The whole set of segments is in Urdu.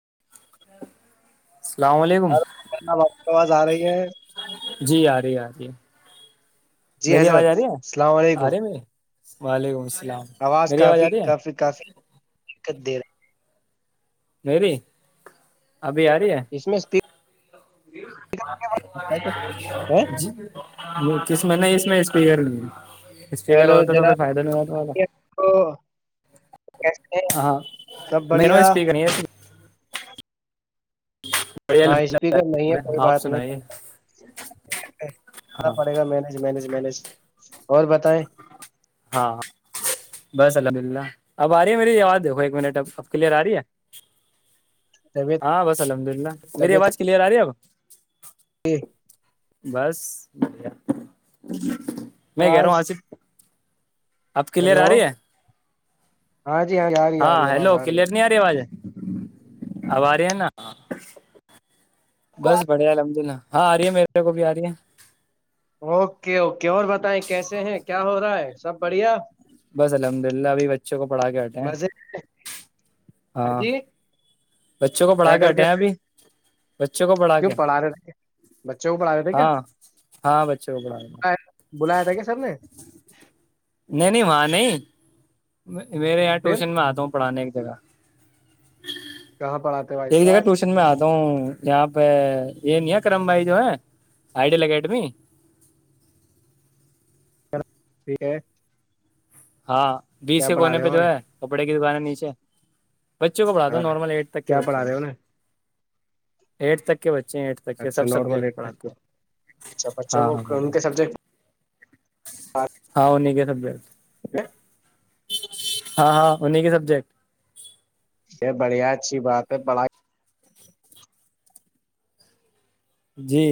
ر [inaudible] ہنا واپ آواز آ رہی یہ [inaudible] جی آ رہی آ رہی ہے جی میری آواز آ حضرت رہی ہے اللام آ علیکم رہے میرے وعلیکم السلام آواز میری کافی آ رہی ہے کافی کافی ک د [inaudible] میری [inaudible] ابھی آ رہی ہے اس میں جی اسپیکر۔ جی بالکل وہ کس میں نہیں اس میں اسپی کر لی اسپیکر ہیلو ہوتا تو پھر جناب فائدہ نہیں ہوا کیسے ہیں؟ ہاں سب میریرا بڑھیا اسپیکر نہیں ہاں اسپیکر نہیں ہے بڑھیا کوئی آپ بات سنائیے نہیںا ہاں پڑے گا مینج مینج مینج اور بتیں ہاں بس الحمد للہ اب آ رہی ہے میری آواز دیکھو ایک منٹ اب اب کلیئر آ رہی ہے طبیعت ہاں بس الحمد للہ میری آواز کلیئر آ رہی ہے اب ج [inaudible] بس بڑیا [unintelligible] میں کہہ رہا ہوں آ آواز سے اب کلیئر ہیلو آ رہی ہے ہاں جی آ رہی آ ہاں رہی آواز ہیلو ہے کلیئر نہیں آ رہی آواز اب آ رہے ہیں نا بس بڑھیا لمج نا ہاں آ رہی ہے میرے کو بھی آ رہی ہے اوکے اوکے اور بتائ کیسے ہیں کیا ہو رہا ہے سب بڑھیا بس الحمد للہ ابھی بچوں کو پڑھا کے ہٹ ہیں مزے ہاں بچوں کو پڑھا کیا کے کر ہٹے ہیں ابھی بچوں کو پڑھا کیوں کے رہے تھے بچوں کو پڑھا رہے تھے کیا ہاں ہاں بچوں کو پڑھا کے آئے- بلایا تھا کیا سر نے نہیں نہیں وہاں نہیں میں [inaudible] میرے یہاں پھر ٹیوش میں آتا ہوں پڑھان کے جگا کہاں پڑھاتے ہو بھائی ایک جگہ صاحب ٹیوشن میں آتا ہوں یہاں یہ نیا کرم بھائی جو ہے آئیڈیل اکیڈمی ٹھیک ہے ہاں بیس کیا کے پڑھا کونے رہے پہ ہو جو انہیں ہے کپڑے وانا نیچے بچوں کو پڑھاتا ہاں نارمل ایٹ تک کے کیا بچے پڑھا ہیں رہے ہو انہیں ایٹ تک بچے ہیں ایٹھ تک کے اچھا سب نارمل سبجیکٹ ایٹ تک کے پڑھاتے ہیں اچھا بچوں کو کون کے سبجیکٹ ہنی گ [unintelligible] سب [inaudible] [inaudible] ہاں ہاں انہیں کے سبجیکٹ یہ بڑھیا اچھی بات ہے بڑائی جی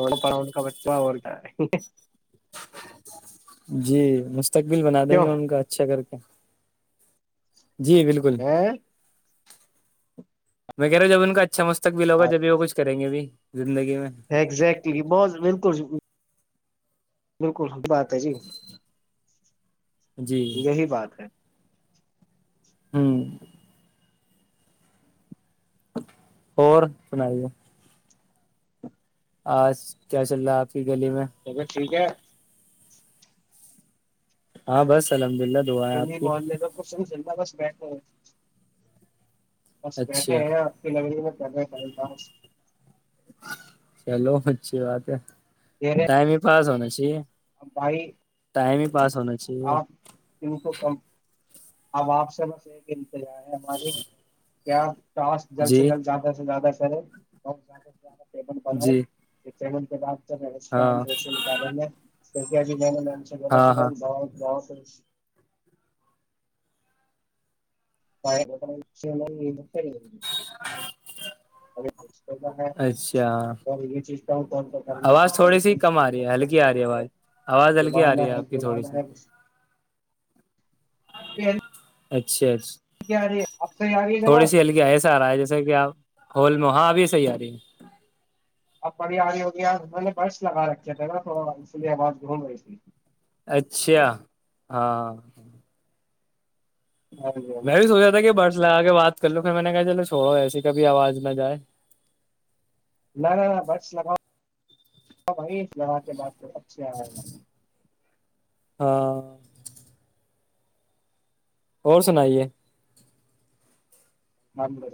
اور پڑا کا بچہ ہوتا [unintelligible] جی مستقبل بنا دیں گے ان کا اچھا کر کے جی بالکل میں کہہ رہا ہ جب ان کا اچھا مستقبل ہوگا جبھی وہ کچ کریں گے بھی زندگی میں اگزیکٹلی بہت بالکل بالکل س ب [unintelligible] جی جی یہی بات ہے ہوں اور سنائیے آج کیا چل رہا آپ کی گلی میں چا ٹھیک ہے ہاں بس الحمد للہ دعا ہے پھر آپ نہیں کی بال لیتا کچ [inaudible] سر جندہ بس بیٹھا ہو بس بیٹھے اچھا ہیں آپ کی لائبریری میں جہ کتاس چلو اچھی بات ہے ٹائم ہی پاس ہونے سے جی ا بھائی چاہیے [unintelligible] [unintelligible] [unintelligible] [unintelligible] کیا اس جلد سے جی جلد زیادہ سے زیادہ [unintelligible] جی [unintelligible] نمسکان ہاں جو شری آانند سالی جان ہاں ہاں [unintelligible] [unintelligible] [unintelligible] [inaudible] اچھا [unintelligible] اور یہ چیز کاا آواز تھوڑی سی کم آ رہی ہے ہلکی آ رہی ہے آواز آواز ہلکی آ گانا رہی ہے آپ کی تھوڑی سی [inaudible] اچھاچا کیا آ رہی ہے آپ صحیح آ رہی ہے تھوڑی جناب سی ہلکیا ایسا آ رہا ہے جیسا کہ آپ ہول مہاں ابھی صحی آ رہی ہے اب بڑی آ رہی ہوگی آ میں نے برس لگا رکھے تھے نا تھوڑا اس لیے آواز گھوم رہئی تھی اچھا ہاں ہاں جی ہاں میں جی بھی سوچ رہ تھا کہ باہ [unintelligible] لگا کے بات کر لو کہ میں نے کہا چلو چھوڑو ایسی کبھی آواز نہ جائے نہ نہ بٹس لگاؤ لگا کے ب اچھے آئے ہاں اور سنائیے مملہ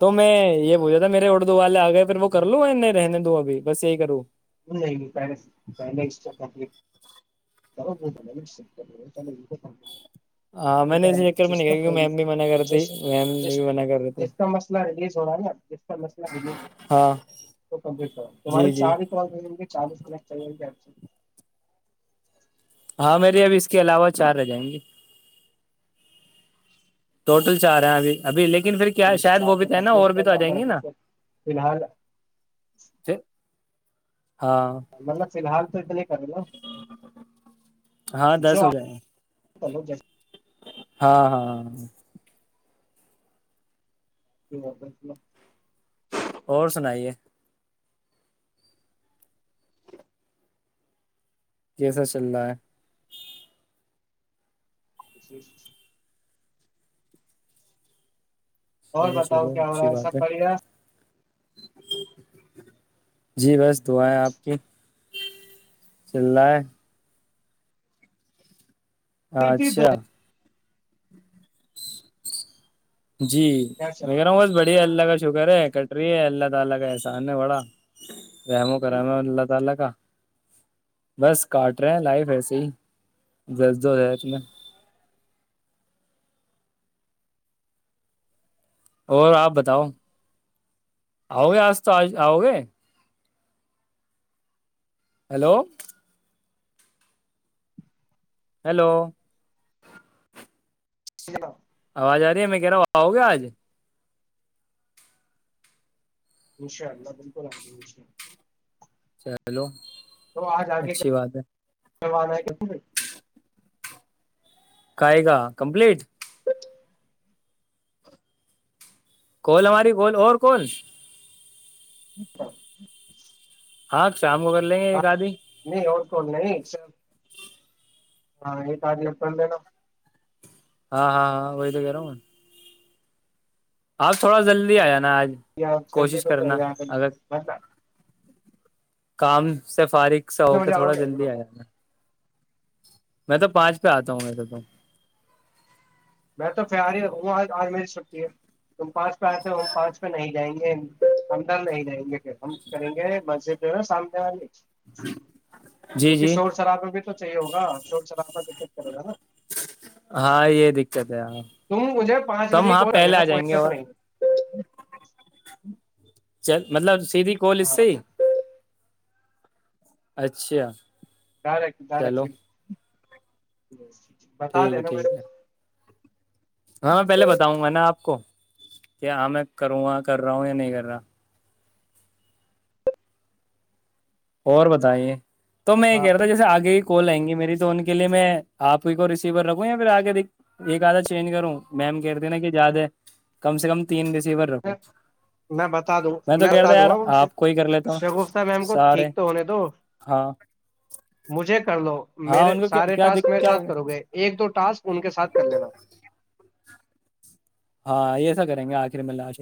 تو میں یہ بوولا تھا میرے اٹ دو والے آ گئے پھر وہ کر لوں نہیں رہنے دو ا بھی بس یہی کروں [unintelligible] ب کر [inaudible] ہاں میں نے اسی چکر ج میں نہیں کیا کیونکہ میم بھی منع ج کرتی میم بھی منع کر رہی تھی جس کا مسئلہ ریلیز ہو رہا ہے نا جس کا مسئلہ ریلیز ہو رہا ہے ہاں وہ کمپٹ ہو رہا جی تمہارے جی چار چالیس کک چل ج ہاں میری اب اس کے علاوہ چار رہ جائیں گی ٹوٹل چاہ رہے ہیں ابھی ابھی لیک تین سے چار کو کمپلیٹ ہی کر دو ا ابھی نا فی الحال پھر، ہاں مطلب فی الحال تو پے ہاں دس جو ہو آپ جائے گ کرو ہاں ہاں ہاں ٹھ ہے الل [unintelligible] اور سنائیے جسا چل رہا ہے ج [inaudible] اور یہ بتاؤ چلو کیا ہوا اچھی ہے سب بات بڑھیا جی بس دعاائیں آپ کی چل اچھا کیا جی میں کہہ رہا ہوں بس بڑی ہے اللہ کا شکر ہے کٹ رہی ہے اللہ اللہ تعالی کا بس کاٹ رہے ہیں لائف ایسی جذب ہو جائے اس میں اور آپ بتاؤ آؤ گے آج تو آج آؤ گے ہیلو [unintelligible] ہیلو ٹیک ن [inaudible] آواز آ رہی ہے میں کہہ رہا ہوں ہوؤ گیا آج انشاء اللہ بالکل الحمدش چلو آگے اچھی بات ہے کروانا ہے کسے [inaudible] کاائے گ کمپلیٹ کوول ہماری گول اور کون [unintelligible] اچا [unintelligible] ہ [inaudible] ہاں نہیں نوڈ کون ن نہیں [unintelligible] ہاں ایک آج ل نا ہاں ہاں ہاں وہی تو کہہ رہا ہوں آج تھوڑا جلدی آیا نا آج چڈ کوشش تو کرنا بندا اگر [unintelligible] کام سے فارغ سا کتنے ہو کے بجے آؤ تھوڑا گے جلدی آ بتاؤ جانا میں تو پانچ پہ آتا ہوں وسے تو میں تو پیاری ہوں آج آج میری چھٹی ہے تم پانچ پہ آئےتے ہو ہم پانچ پہ نہیں جائیں گے ہمدر نہیں جائیں گے ہم کریں گے مسجد نا سامنے والی جی کیونکہ جی شور شراب میں بھی تو چاہیےگا چور چلا کرے گا نا ہاں یہ دقت ہے ہاں تم مجھے پانچ تو ہم بجے ہاں کی آ پہلے دینا کوئی جائیں گے دقت اور نہیں چ مطلب [inaudible] چییدی کوال اس ہاں سے اچھا دارک دارک چلو بس بتا ٹھیک ہے دینا مے ٹھیک ہے ہاں پہلے بتا وگا آپ کو کیا ہاں میں کروں کر رہا ہوں یا نہیں کر رہا اور بتائیں تو میں یہ ہاں کہہ رہ تھا جیسےگے ہی کو لئیں گی میری تو ان کے لیے میں آپ ہی کو ریسیور رکھوں یا پھر آگ کے د ایک آدھا چینج کروں میم کہتے نا کہ زیادہ کم سے کم تین ریسیور رکھو میں بتا دوں میں تو بتا کہتا دوں یار گا ان سے آپ کوئی کر لیتا ہ شگفتہ میم کو سارے ٹھیک ہونے دو ہاں مجھے کر لو ہاں میرے ان کو کیا سارے کیا ٹسک میرے کیا ساتھ ہو کرو گے ایک دو ٹاسک ان کے ساتھ کر لینا ہاں یہ سا کریں گے آج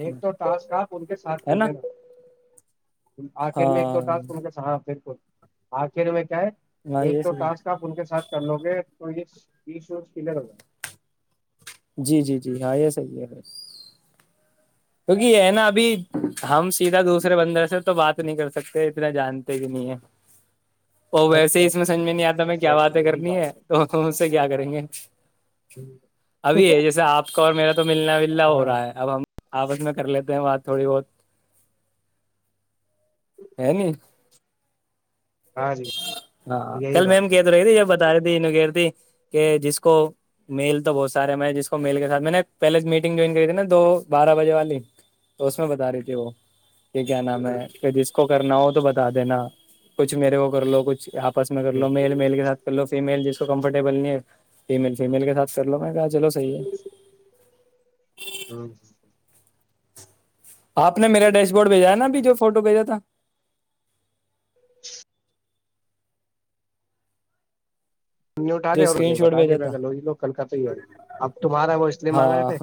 ایک دو ٹاسک آپ ان کے ساتھ ہے نا کرنے آخر میں ایک دو ہاں ٹک ان کے ساتھ آ آ کے ر میں ہاں یہ ایک دو صحیح ٹاسک ہے آپ ان کے ساتھ کر لو گے م یہ شو کل ہو ہے [unintelligible] جی جی جی ہاں یہ صحیح ہے پھر ہوگی نا بھی جائے ہم سیدھا دوست دوسرے بندر سے تو بات نہیں کر سکتے اتنا جانتے ہی نہیں ہے ا ویسے ہی اس میں ایگزیکٹلی سمج میں نہیں آتا میں کیا باتیں ایگزیکٹلی یہی کرنی بات ہے سے کیا کریں گے ابھی ہے جیسے آپ کا اور میرا تو ملنا وللا ہو ہاں رہا ہے اب ہم آپس میں کر لیتے ہیں بات تھوڑی بہت ہے ن ہاں جی ہاں یہی کل مم بات کیتر ب ب رہ تھی ت کہ جس کو میل تو بہت سارے میں جس کو میل کے ساتھ میں نے پہلے میٹنگ جوائن کری تھی نا دو بارہ بجے والی تو اس میں بتا رہی تھی وہ یہ کیا نام ہے پ جس کو کرنا ہو تو تو بتا دینا کچھ میرے کو لوگچھ آپ میں کر ہے لو مل میل کےاتھ کر لو فی میل جس تو کمفرٹیبل نہیں ہے فیمل فیمیل کے سات کر لو میں گا [unintelligible] آپ میراش بورڈ بھیجایاا اب جو فوٹو بھیجا تھا [unintelligible] [inaudible] ت نے جو اٹایا اور اسکرین شاٹ بتا بھیجا دیا تھا یہ لو کل کا تو ہی ہے اب تمہارا وہ لیے مانگ رہے ہاں تھے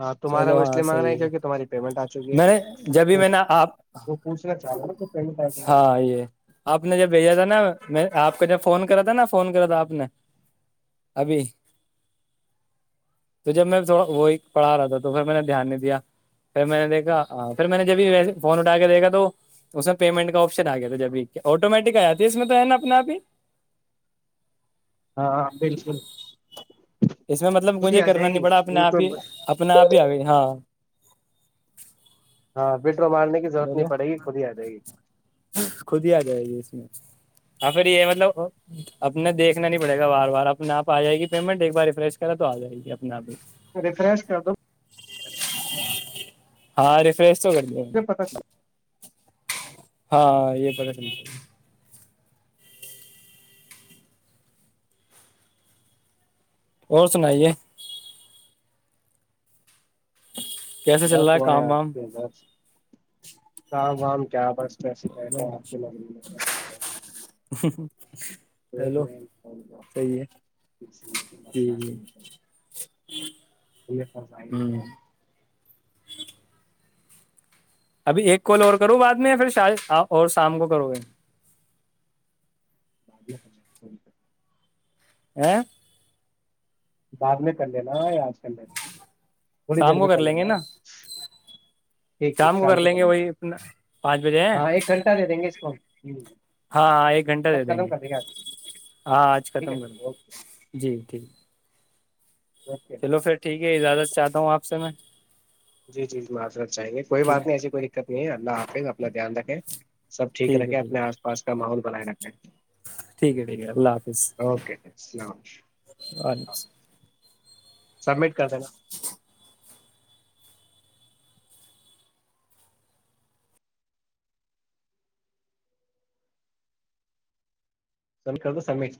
ہاں تمہارا چلو وہ اس ہاں لیے مانگ رہے ہیں صحیح ہے کیونکہ تمہاری پیمنٹ آ چکی ہے میں نے جبھی وہ میں نےا آپ وہ پوچھنا چاہ رہا نا کہ پیمنٹ آ ہاں یہ آپ نے جب بھیجا تھا نا میں آپ کا جب فون کرا تھا نا فون کرا تھا آپ نے ابھی تو جب میں تھوڑا وہی پڑھا رہا تھا تو پھر میں نے دھیان نہیں دیا پھر میں نے دیکھا پھر میں نے جبھی ویسے فون اٹا کے دیکھا تو اس میں پیمنٹ کا آپشن آ گیا تھا جبھی آٹومیٹک آ اس میں تو ہے نا اپنے آپ ہی ہاں بالکل اس میں مطلب خود ہی مجھے آ کرنا جائے نہیں گی پڑا اپنے ان کو آپ ہی اپنا آپ ہی آ گئی ہاں ہاں بیٹ کو مارنے کی رورت چلو نہیں پڑے گی خود ہی آ جائے گی خود ہی آ جائے گی اس میں اور پھر یہ مطلب اپنا دیکھنا نہیں پڑے گا بار بار اپنے آپ آ جائے گی پیمنٹ ایک بار ریفریش کرا تو آ جائے گی اپنے آپ ہی ریفریش کر دو [unintelligible] سو گڑ مجھے پتا چل ہاں یہ پت سمجے اور سنائیے کیسے چل دس رہا د ہے کام آیں وام دس کام نام کیا پرس کیا شکایت ہے آپ کے لگ دیکھ ہیلو رہے صحیح ہے جی جی ہوں ابھی ایک کال اور کرو بعد میں پھر شاید اور شام کو کرو گے ب ا بعد میں کلین یاار کلےین ہولیدر شام ب کو کر لیں الین گے نا ٹھیک ٹھیک شام کر کو لیں گے کما گا وہی اپنا پانچ بجے ہیں ہاں ایک گھنٹہ دے دیں گے اس کو ہم جی ہاں ہاں ایک گھنٹہ دے دیں گے ہاں آج ٹھیک ختم ہے کر د اوکے جی ٹھیک اوکے چلو پھر ٹھیک ہے زیادہ چاہتا ہوں آپ سے میں جی جی معذرت چاہیں گے کوئی بات نہیں ٹھیک ایسی کوئی دقت نہیں ہے اللہ حافظ اپنا دھیان رکھے سب ٹھیک رکھے اپنے آس پاس کا ماحول بنائے رکھے اور سبمٹ کر دینا سک تو سمچ